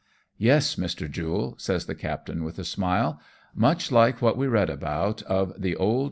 " Yes, Mr. Jule," says the captain with a smile ; "much like what we read about of the old bare Q 2 22?